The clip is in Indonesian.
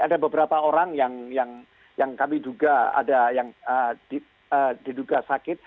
ada beberapa orang yang kami duga ada yang diduga sakit